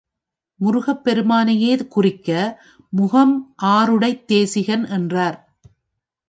முருகப் பெருமானையே குறிக்க, முகம் ஆறுடைத் தேசிகன் என்றார்.